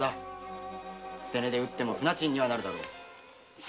捨て値で売っても船賃にはなろう。